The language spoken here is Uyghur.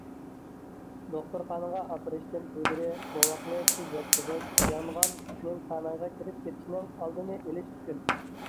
دوختۇرخانىغا ئاپىرىشتىن ئىلگىرى بوۋاقنى تۈز ياتقۇزۇش، يانغان سۈتنىڭ كانايغا كىرىپ كېتىشنىڭ ئالدىنى ئېلىش ئۈچۈن.